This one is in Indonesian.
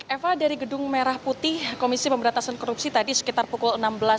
eva dari gedung merah putih komisi pemberantasan korupsi tadi sekitar pukul enam belas tiga puluh